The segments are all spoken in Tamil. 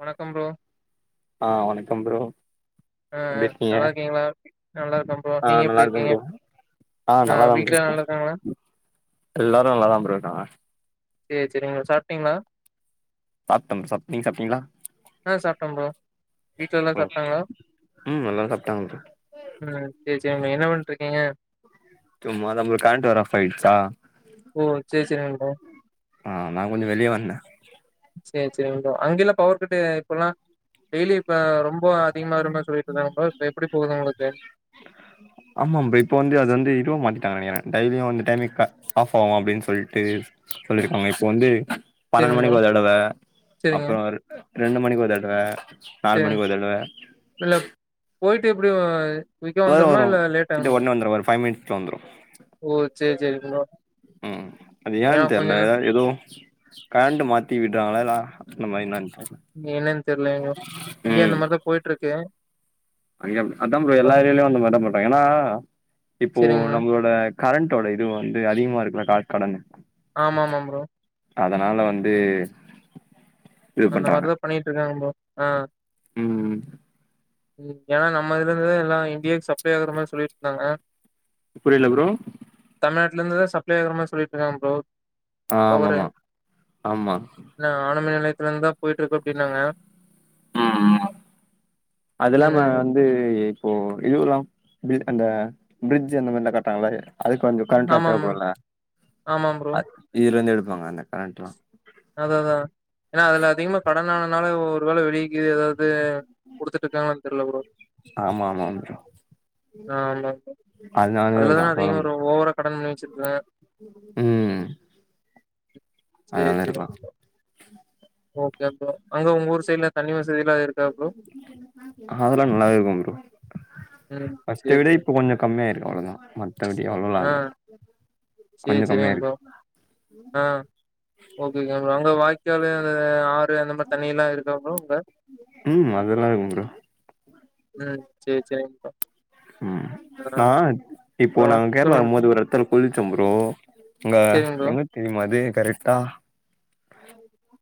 வணக்கம் ப்ரோ ஆ வணக்கம் ப்ரோ அ எப்டி அ இருக்கீங்க நல்லாருக்கீங்ளா நல்லாருக்க ப்ரோ ஆ நீங்க நல்லா எப்டி இருக்கே இருக்கீங்க ப்ரோ ஆ அ நல்லாதா ப்ரோ வீட்ல இருக்கே நல்லாருக்காங்ளா எல்லாரு நல்லாதா ப்ரோ இருக்காங்க செரி செரிங்கள சாப்ட்டீங்களா சாப்டம் ச நீங் சாப்டீங்ளா ஆ சாப்ட்டோம்பா வீட்ல எல்லா ம் சாப்ட்டாங்களா ம் எல்லாரு சாப்ட்டாங்க ப்ரோ ம் செரி என்ன பண்ணிட்ருக்கீங்க சும்மாதா ப்ரோ கரண்ட்டு வேற ஆஃப் ஆயிட்ச்சா ஓ சேரி சேரிங்க ப்ரோ. நாந்தா கொஞ்ச வெளிய வந்தே சேரி சேரிங்க அங்கல்லாம் பவர் கட்டு இப்பல்லாம் டெய்லி இப்ப ரொம்ப அதிகமா வருமா சொல்லிட்டு இருந்தாங்க இப்ப எப்படி போகுது உங்களுக்கு ஆமா அம்ப இப்போ வந்து அது வந்து இருவ மாதிரி தைரியம் வந்துட்டான்னே பாப்போம் அப்படின்னு சொல்லிட்டு சொல்லிருக்காங்க இப்ப வந்து பன்னெண்டு சேரிங்க ப்ரோ. மணிக்கு ஒரு தடவை சேரிங்க அப்புறம் ஒரு ரெண்டு மணிக்கு ஒரு தடவ நாலு சேரிங்க. மணிக்கு ஒருதடவ இல்ல போயிட்டு எப்படி வரும் வரும் கிட்ட உடனே வந்துரும் ஒரு ஃபைவ் மினிட்ல வந்துரும் ஓ சேரி சேரிங்க ப்ரோ. உம் அது ஏன்னா ஏன் கொஞ்ச தெரியல ஏ ஏதோ கரண்டு மாத்தி விடுறாங்களா அந்தமாதிரி என்னானு என்னன்னு தெரியல இங்கயே அந்த மாதிரிதான் போயிட்டு இருக்கு அ அதான் ப்ரோ எல்லா ஏரியாலயும் அந்த மாதிரி சொல்றாங்க ஏன்னா இப்போ சேரிங்க ப்ரோ. நம்மளோட கரண்டோட இது வந்து அதிகமா இருக்குல டாட்கடனு ஆம் ஆமா ப்ரோ அதனால வந்து இது அந்த பண்றாங்க மாதிரிதான் பண்ணிட்டு இருக்காங்க ப்ரோ ஆஹ் ம் உம் ஏன்னா நம்ம இதுல இருந்து எல்லாம் இந்தியாவுக்கு சப்ளை ஆகுற மாதிரி சொல்லிட்டு இருந்தாங்க புரியல ப்ரோ இல்ல இதுலயிருந்து தான் சப்ளை ஆகுற மாதிரி சொல்லிட்டு இருந்தாங்க புரோ ஆமமா ஆமா ஆமா அதுல இருந்து தான் போயிட்டு இருக்கு அப்படின்னாங்க இம் இம் அதுஇல்லாம ம் வந்து இப்போ இதுல்லாம் அந்த பிரிட்ஜ் அந்த மாதிரிலாம் காட்ராங்கள அதுக்கொஞ்சம் கரண்ட் எல்லாம் ஆமா ஆமா தேவபடும்ங்க இதுலேயிருந்து எடு பங்கான [unintelligible] அத அதான் ஏன்னா அதுல அதிகமா கடன்னான னால ஒரு ஒருவேளை வெளியே கிளியே ஏதாவது கொடுத்துட்டு இருக்காங்களா தெரியல ப்ரோ ஆமா ஆமா ப்ரோ ஆஹ் ஆமா அதனாலயே இருக்கலா அதுலதான் சொல்ல அதிகமா மு ஓவரா கடன் வெச்சிருக்காங்க ம் சேரி அதனால சேரி இருக்கலா ஓகே ஓகே அங்க உங்க ஊர் சைட்லே தண்ணி வசதி எல்லா இருக்கா ப்ரோ அதெல்லாம் நல்லாவே இருக்குங்க ப்ரோ ம் ஃபர்ஸ்ட சேரி விட சேரி இப்ப கொஞ்சம் கம்மியாயிருக்கு அவ்வளவுதான் மத்த படி அவ்வளவுஎல்லாம் இல்ல சேர் கொஞ்சோ செரிங்க கம்மியா இருக்கு நண்பா ஆஹ் ஓகேங்க ப்ரோ அங்க வாய்க்கால் அந்த ஆறு அந்த மாதிரி தண்ணி எல்லாம் இருக்கா ப்ரோ அங்க உம் அது எல்லாம் இருக்குங்க புரோ உம் சேரி சேரிங்கப்பா உம் ஆஹ இப்போ அப்புறம் நாங்க கேரளா சொல்லுங்க. மாதிரி ஒரு இடத்துல குளிச்சம் ப்ரோ உங்க சரிங்க ப்ரோ. எங்கத்தி மது கரெக்டா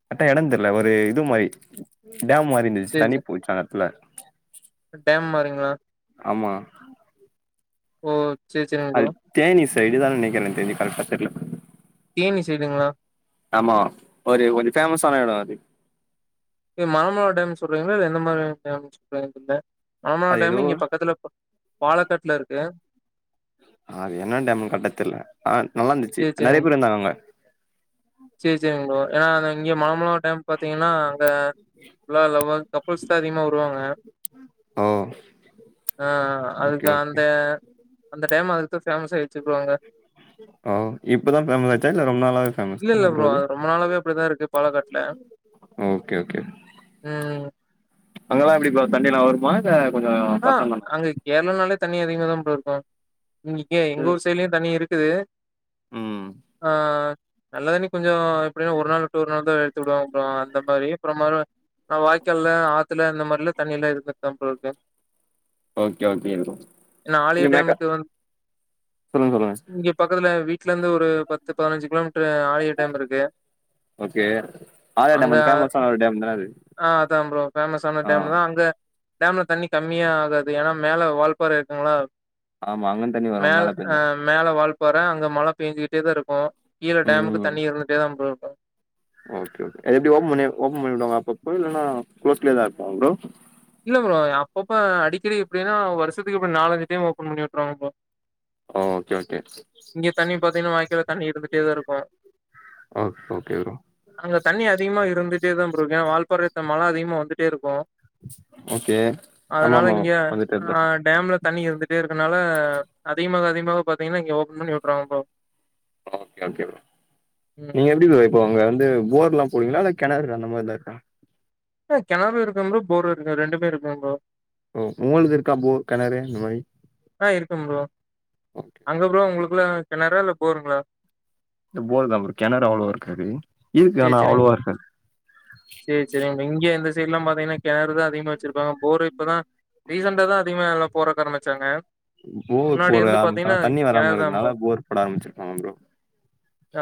கரெட்டா இடம் தெரியல ஒரு இது மாரி டேம் மாரி இருந்துச்சு சரி, தண்ணி சரி. போச்சு அந்த இடத்துல டேம் மாரிங்களா ஆமா [unintelligible] ஓ சரி, சரிங்க ப்ரோ. அது தேனிஸ் சைடு தான் நெனைக்கிறே எனக்கு தெரிஞ்சு கரெக்டா தெர்ல தேனி சைடுங்ளா ஆமா ஒரு கொஞ்சோ பேமஸ் ஆன இடம் அது மனமல டேம் சொல்றீங்ளா இல்ல எந்த மாரி டேம் சொல்றீங்க தெர்ல மனமல அது ஏதோ டேம் இங்க பக்கத்துல ப பாலக்காட்ல இருக்கு அது என்ன டேம்னு கரெக்டா தெர்ல ஆ நல்லா இருந்துச்சு சரி, நெறையா சரிங்க. பேர் இருந்தாங்க அங்க சரி, சரிங்க ப்ரோ. ஏன்னா அத இங்க மாமளா டேம் பாார்த்தீங்கன்னா அங்க வேற லவல் கப்புல்ஸ் தான் அதிகமாக வருவாங்க ஓ! ஆ ஓகே, அதுக்கு ஓகே. அந்த அந்த டேம் அதுக்கு தா ஃபேமஸ் ஆயி ச்சுப்பவாங்க ஓ இப்பதான் பேமஸ் ஆச்சா இல்ல ரொம்ப நாளாவே ஃபேமஸ் இல்ல, இல்ல தானா ப்ரோ அது ரொம்ப நாளாவே அப்படிதான் இருக்கு பாலக்காட்ல. ஒகே ஒகே ம். அங்கெல்லா எப்டி ப்ரோ தண்ணி எல்லாம் வருமா இல்ல கொஞ்சம் ஆ கஷ்டம் தானா? அங்க கேரளா நாலே தண்ணி அதிகமா தான் ப்ரோ இரு அ ங்க்க எங்க ம், ஊர் சைடுலயும் தண்ணி இருக்கு து ம். ஆ நல்ல தண்ணி கொஞ்சோ கொஞ்சோ எப்டின்னா ஒரு நாள் உட்டு ஒரு நாள் தான் [unintelligible] அப்புறோ அந்த மாரி அப்புறோ நான் வாய்கால்ல ஆத்துல இந்த மாதிரில தண்ணியல்லாம் இருக்க அப்புறம் இரு ஓகே ஓகே ஏன்னா ஆழியார் சொல்லுங்க டேமுக்கு வந்து சொல்லுங்க ல இருந்து ஒரு பத்து பதின்சு கிலோமீட் ஆ டேம் இருக்கு ஓகே. ஆழியா டேம் அங்க அது ஃபேமஸான ஒரு டேம் தான அது? ஆ அத்தா ப்ரோ பேமஸ் ஆன ஆ, டேம் தான் அங்க டேம்ல தண்ணி கம்மியா ஆகாது ஏன்னா மேல வழ்ப்பாறை இருக்குங்களா ஆமா. அங்கருந்து தண்ணி வரும் மேல பெஞ்சா. அஹ் மேல வாழ்ப் போறே அங்க மழ பெஞ்சுட்டேதா இருக்கு ஈர டேம்முக்கு ம். தண்ணி இருந்துட்டே தா ப்ரோ ஓகே ஓ எப்டி ஓ ஓபன் பண்ணி விடுவாங்க அப்பப்போ இல்லனா க்ளோஸ்லா இருக்குமா ப்ரோ இல்ல ப்ரோ அப்பப்ப அடிக்கடி எப்படின்னா வருஷத்துக்கு இப்ப நாலஞ்சு டைம் ஓபன் பண்ணி விட்டுருவாங்க ப்ரோ ஓ! Okay, okay. இங்க தண்ணி பாத்தீங்கன்னா வாய்க்கில தண்ணி இருந்துட்டே தா இருக்கு ஆ ஓகே, ஓகே ப்ரோ. அங்க தண்ணி அதிகமா இருந்து ட்டேதா இருக்க வால்பாற மழ அதிகமா வந்துட்டே இருக்கு ஓகே. அதனால ஆமாமா. இங்க வந்துட்டே தான் இருக்கும். ஆஹ் டேம்ல தண்ணி இருந்துட்டே இருக்கனால அதிகமாக அதிகமாக பாத்தீங்கன்னா இங்க ஓபன் பண்ணி விட்டுறாங்கப்பா ம் நீங்க எப்படி ப்ரோ சரி. இப்பங்க வந்து போர்ல்லா புப்பங்களா கெனரு அந்த மாதிரிதா இருக்க ஆஹ் கெணறுும் இருக்கு ப்ரோ போரும் இருக்கு ரெண்டுமே இருக்கு ப்ரோ ஓ உங்கது இருக்கா போ கெணறு இந்த மாதிரி ஆஹ் இருக்கு ப்ரோ ஓகே அங்க ப்ரோ உங்களுக் [unintelligible] கெணறா இல்ல போறுங்களா இந்த போர் தாம் ப்ரோ கெணறு அவ்வளவா இருக்காது இருக்கு ஆனா அவ்வளோவா இருக்காது சரி சரி இங்க எந்தஸ் சல்லா பாத்தீங்கன்ன கெணறு தா அதிக வச்சிருப்பங்க போர்ரு தா ரீசண்டா தா அதிகம எல்லா போற கரமிச்சாங்க போர் போட ஆரம்பிச்சாங்க தண்ணி கிணறு தான் ப்ரோ வராமறிறதுனால போர் போட ஆரம்பிச்சிருக்காங்க ப்ரோ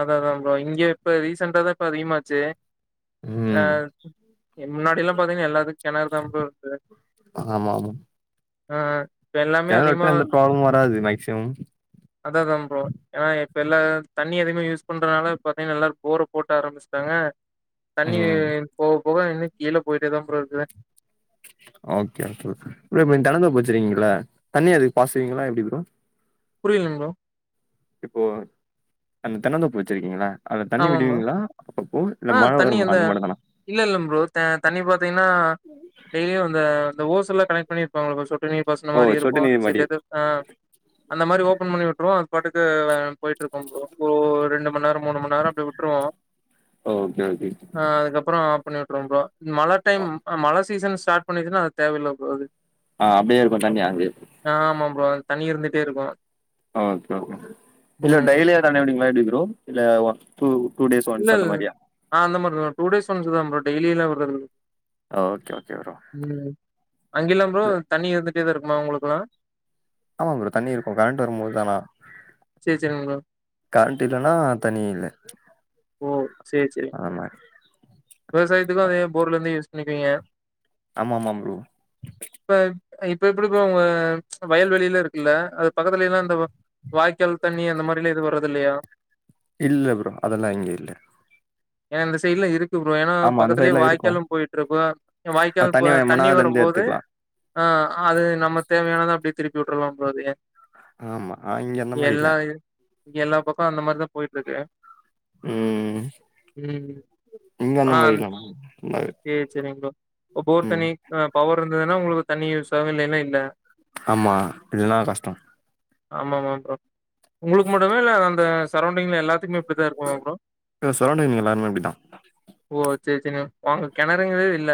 அத தா ப்ரோம் இங்க இப்ப ரீசண்ட்டாதா இப்ப அதமாச்சு ம் அஹ் முன்னாடி எல்லா பாத்தீங்கன்னா எல்லாத்துக்கு கெணறுதா ப்ரோ இருக்கு ஆஹ் கனட்ட எந்த ப்ரோப்லம் வராது மேக்சிமம் அதா அதா ப்ரோ ஏன்னா இப்ப எல்லா தண்ணி அதிகமா யூஸ் பண்றதுனால பாத்தீங்க நல்லா போர போட்டு ஆரம்பிச்சிட்டாங்க தண்ணி ம் போ போக இன்னு கீழே போயிட்டே தா போ இருக்குது ஓகே ஓகே ஓகே இப்ப தெனந்தோப்ச்சிருங்கள தண்ணியா அதுக்கு பாசவீங்களா எப்டி ப்ரோ புரியலங் ப்ரோ இப்போ அந்த தென்னந்தோப்பு வச்சிருக்கீங்களா அதுல தண்ணி ஆமா ப்ரோ விடுவீங்களா அப்பப்போ இல்ல ஆ மழ தண்ணி வருமா எந்த அந்த மாரிதானா இல்ல இல்ல ப்ரோ தண்ணி பார்த்தீங்கன்னா டெய்லியும் அந்த ஓசுல கனட் பண்ணிருப்பாங்க ப்ரோ சொ பச ஓ மாரி இருக்கோ சொட்டு நீர் ச மாரி அந்த மாரி ஓபன் பண்ணி விட்டு பாட்டுக்கு போயிட்டு இருக்கும் போ அப்போ ரெண்டு ரொம்ப நேரோ மூணு மண் நேரோ அப்டி விட்ருவோ ஓகே ஓகே ஆஃப் பண்ணி விட்டுருவ ப்ரோ மழ டைம் மழ சீசன் ஸ்டார்ட் பண்ணிச்சுன்னா அது தேவையில்ல ப்ரோ அது ஆ அப்டியே இருக்கோ தண்ணி அங்கயே அப்றோ தண்ணி இருந்துட்டே இருக்கோ ஓகே ஓகே இல்ல டெய்லியோ தண்ணி விடுவீங்களா எப்டி ப்ரோ இல்ல ஒன் டூ டூ டேஸ் இல்ல ஒன்ஸ் அந்த இல்ல மாரியா ஆ அந்த மாரி டூ டேஸ் ஒன்ஸுதா ப்ரோ டெய்லிலா விட்றது இல்ல ஓகே ஓகே ப்ரோ ம் அங்கேலா ப்றோ தண்ணி இருந்துட் இது இருக்குமா உங்குளுக்குலா ஆமா ப்ரோ தண்ணி இருக்கோ கரண்ட் வரும்போது தானா சேரி சேரிங்க கரண்ட் இல்லனா தண்ணீ இல்ல ஓ செரி சேரி அந்த மாரி விவசாயத்துக்கோ அதே போர்ல இருந்து யூஸ் பண்ணிப்பீங்க ஆமா ஆமாமா ப்ரோ இப்ப எப்படிப்ப உங்க வயல்வெளில இருக்குல்ல அது பக்கத்துலலா அந்த வாய்க்கால் தண்ணி அந்த மாதிரிலா எதுவோ வர்றது இல்லையா இல்ல ப்ரோ அதெல்லா இங்க இல்ல ஏ இந்தந்த சைட்ல இருக்கு ம் ஏன்னா ஆமா அந்த பக்கத்துலேயே சைட்லா இருக்கு வாய்காலோ போயிட்டு இருப்போ அது வாய்க்கால் போ வேணும்னா தண்ணி அதுல இருந்து வரும்போது எடுத்துக்கலா ஆ அது நம்ம தேவையானத அப்டி திருப்பி விட்டுரலா ப்ரோ அதுயே ஆமா இங்க அந்த மாரி இல்ல எல்லா பக்கோ அந்த மாரிதா போயிட்ருக்கு ம் இங்க அந்த மாரி இல்லாம [unintelligible] சரிங்களா ஒ போர் தண்ணி அ பவர் இருந்துதுன்னா உங்குளுக்கு தண்ணி யூசாவோ இல்லன்னா இல்ல ஆமா இதுல்லா கஷ்டோ ஆமாமா ப்ரோ உங்களுக்கு மட்டுமா இல்ல அந்த சரவ்டிங்ல எல்லாத்துக்குமே இப்டித்தான் இருக்குமா ப்ரோ? சரௌண்டிங்ல எல்லாருமே அப்டிதான் ஓ சேர் சேரிங்க ஓ அங்க கெணறுங்கறதே இல்ல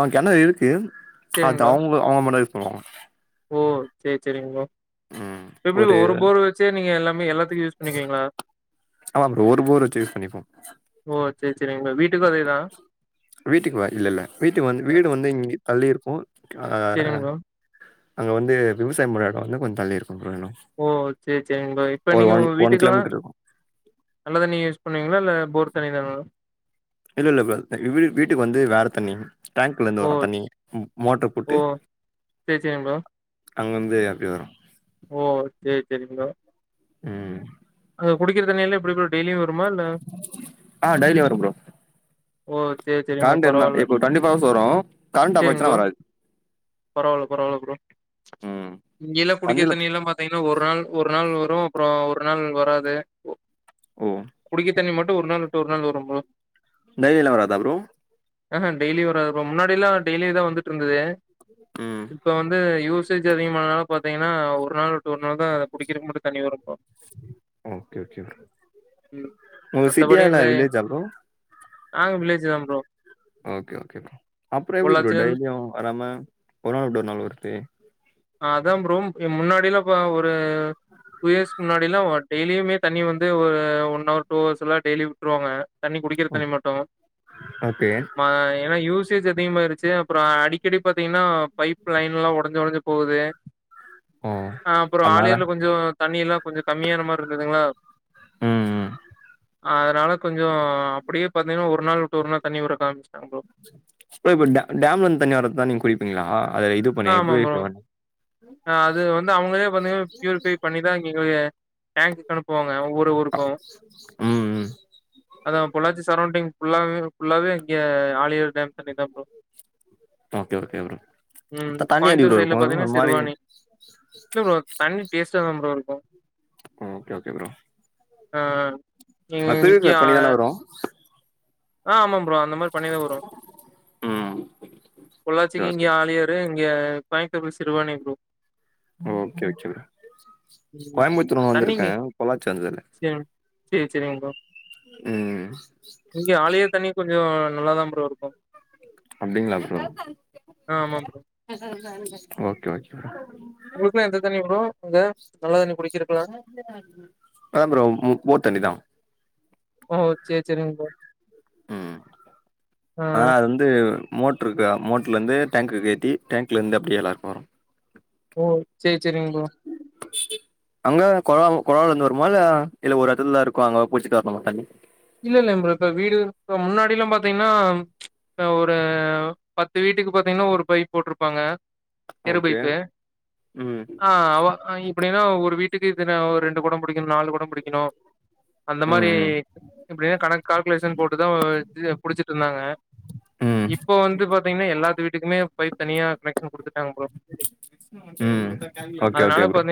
அங்க கிணறு இருக்கு சரிங்க அது ப்ரோ. அவுங்க அவுங்க மட்டு தா யூஸ் பண்ணுவாங்க ஓ சேர் சேரிங் ப்ரோ எப்டி ப்ரோ ஒரு போர் வச்சே நீங்க எல்லா மே எல்லாத் ஆமா ப்ரோ ஒரு போர் வச்சே யூஸ் பண்ணிப்போம் சர் சரிங்க எங்க வீட் வீட்டுக்கு வா இல்ல இல்ல வீட்டுக்கு வந்து அ. வீடு வந்து இங்க தள்ளி இருக்கும் சேரிங் அஹ் ப்ரோ அங்க வந்து விவசாயம் பண்ற இடம் வந்து கொஞ்ச தள்ளி இருக்கும் ப்ரோ இன்னும். ஓ சேர் சேரிங் பாய் இப்ப ஒரு நீங்க உங்க வீட்டுக்கல்லாம் கிலோமீட்டர் இருக்கும். நல்ல தண்ணி யூஸ் பண்ணுவீங்களா இல்ல போர் தண்ணி தானா இல்ல இல்ல வீ வீட்டுக்கு வந்து வேற தண்ணி டேங்க்ல இருந்து ஓ வரும் தண்ணி மோட்ரு ஓ போட்டு சேரி சேரிங் ப்ரோ அங்க இருந்தே அப்டி வரும் ஓ சேர் சேரிங் ப்ரோ ம். அது குடிக்கிற தண்ணிலா எப்டி ப்ரோ டெய்லியும் ஆஹ் டெய்லி வரும் ப்ரோ ஓ சேரி சேரிங் ப்ரோ கரண்ட் இருந்தா பரவால்ல இப்போ ஹவர்ஸ் வரும். கரண்ட் ஆஃப் சேரிங் ஆச்சுனா ப்ரோ வராது. பரவால்ல பரவால்ல ப்ரோ ம். இங்கேலாம் குடிக்கிற தண்ணில தண்ணிலா பாத்தீங்கன்னா ஒரு நாள் ஒரு ஒரு நாள் வரும் அப்புறம் ஒரு நாள் வராது ஓ குடிக்க தண்ணி மட்டும் ஒரு நாள் விட்டு ஒரு நாள் வரும் ப்ரோ டெய்லிலா வராதா ப்ரோ ஆஹ டெய்லி வராது ப்ரோ முன்னாடிலா டெய்லி தான் வந்துட்டு இருந்தது ம். இப்ப வந்து யூசேஜ் அதிகமானனால பாத் பாத்தீங்கன்னா ஒரு நாள் விட்டு ஒரு நாள் தா குடிக்கிறக்கு மட்டு தண்ணி வரும் ப்ரோ ஓகே ஓகே ம் உங்க சிட்டியா மத்தபடி இல்ல வில்லேஜா ப்ரோ நாங்க வில்லேஜு தா ப்ரோ ஓகே ஓகே ப்ரோ அப்புறம் எப்டி ப்ரோ பொள்ளாச்சில இருந்து டெய்லியும் வராம ஒரு நாள் விட்டு ஒரு நாள் வருது அதான் ப்ரோ முன்னாடிலா ப ஒ ஆ டூ இயர்ஸ் முன்னா ப்பயெலா டெய்லியுமே தண்ணி வந்து ஒரு ஒன் அவர் டூ அவர்ஸ் எல்லா டெய்லியு விட்ருவாங்க தண்ணி குடிக்கிற ஓக் தண்ணி மட்டு ஓகே. ம ஏனா யூஸ் அதிகமாருச்சு அப்புற அடிக்கடி பாத் திங்னா பைப் லைன்லா ஒடஞ்சு ஒடஞ்சு து ஓ! அப்பற அதனால ஆழியார்ல கொஞ்ச தண்ணிலா கொஞ்ச கமியான மார் இருந்துதுங்ளா ம், ம். அதனால கொஞ்சோ அப்பிடியே பாத்திங்கனா ஒரு நாள் விட்டு ஒரு நாள் தண்ணி உடறக் ஆரம்பிச்ச ஓ இப்ப டே டேம்ல இருந்து தண்ணி வர்றதா நீங்க குடிப்பிங்ளா ஆமாம் ப்ரோ அது வந்து அவுங்களே வந்து பியூரிஃபை பண்ணிதா இவுங்க டேங்க்குக்கு அனுப்புவாங் ஊருக் ஊருக்கு ம், ம். அதா பொள்ளாச்சி சரௌண்டிங் ஃபுல்லாவே ஃபுல்லாவே இங்க ஆழியார் டேம் தண்ணிதா ப்ரோ ஓகே ஓகே ப்ரோ ம் த தண்ணி எப்படி கோயம்புத்தூர் ப்ரோ சைட்ல இருக்கும்? ஒரு பாத்தீங்கன்னா மாரி சிறுவானி இல்ல ப்ரோ தண் டேஸ்ட்டா மாம்பளோ இருக்கு ஓகே ஓகே ப்ரோ ஆ இங்க அதேத பண்ணிதானே வரும் ஆ ஆமா ப்ரோ அந்த மாரி பண்ணிதா வரும் ம். ஓகே, பொள்ளாச்சிக்கு ஓகே. இங்கயே ஆளியரு இங்க Coimbatore Siruvani bro okay okay ம் கோயம்புத்தூர் ஒன்னு வந்திருக்கே பொள்ளாச்சி வந்ததுல்ல செரி செரிங்கப்பா இங்க ஆளயே தண்ணி கொஞ்சம் நல்லாதா ப்ரோ இருக்கு அப்டிங்களா ஓ ஆ ஆமா ப்ரோ. ஓகே ஓகே உங்களுக்குலா எந்த தண்ணி ப்ரோ அங்க? நல்ல தண்ணி குடிக்கிறக்குலா? ஆ ப்ரோ போர் தண்ணி தா ஓ சேர் சேரிங் ப்ரோ ம் ஆ ஆனா அது வந்து மோட்ருக்க மோட்ருலருந்து டேங்க்குக்கு ஏத்தி டேங்க்லேருந்து அப்படி எல்லாருக்கும் வரும் போர் சரி சரிங்க ப்ரோ அங்க கொழா கொழாலேந்து வருமா இல்ல இல்ல ஒரு இடத்துல இருக்கும் அங்க பூச்சிக்கு வரணமா தண்ணி இல்ல இல்ல இம் இப்ப வீடு இப்ப முன்னாடி எல்லாம் பாத்தீங்கன்னா ஒரு பத்து வீட்டுக்கு பாத்தீங்கன்னா ஒரு பைப் போட்ருப்பாங்க ஓகே தெருபைப்பு ம் ஆஹ் அவ் அப்படின்னா ஒரு வீட்டுக்கு இத்தன ஒரு ரெண்டு குடம் பிடிகணும் நாலு குடம் பிடிகணும் அந்த மாரி ம் ம் இப்டியே கணக்கு கால்குலேஷன் போட்டுதான் புடிச்சிட்டு இருந்தாங்க ம் இப்போ வந்து பாார்த்தீங்கன்னா எல்லாத்து வீட்டுக்குமே பைப் தனியா கனெக்ஷன் கொடுத்துட்டாங்க ப்ரோ உம் ஓகே ஓகேப்ரோ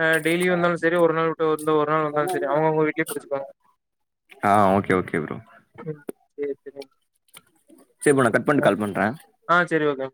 ஹ டய்லிந்தாலும் சரி ஒரு நாள் விட்டு ஒரு நாள் இருந்தான் சரி அவங்க அவங்க வீட்லயே புடிச்சுப்பாங்க ஆஹ் ஓகே ப்ரோ சரி சரி சரிப்பா நா கட் பண்ணி கால் பண்றேன் ஆ சரி ஓகேங்க